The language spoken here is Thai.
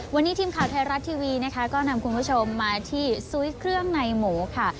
วันนี้ทีมข่าวไทยรัฐทีวีนะคะก็นำคุณผู้ชมมาที่ซุ้ยเครื่องในหมูค่ะ